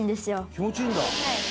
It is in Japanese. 「気持ちいいんだ」